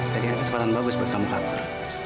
tadi ada kesempatan bagus buat kamu takut